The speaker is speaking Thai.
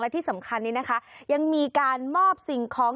และที่สำคัญนี้ยังมีการมอบสิ่งของ